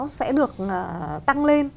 nó sẽ được tăng lên